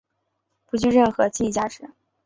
不具任何经济价值。